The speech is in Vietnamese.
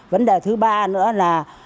vấn đề thứ ba nữa là